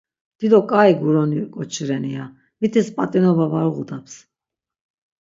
Dido k̆ai guroni k̆oçi ren iya, mitis p̆atinoba var oğodaps.